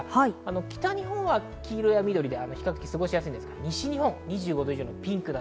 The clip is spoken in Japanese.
北日本は黄色や緑で過ごしやすいのですが西日本２５度以上。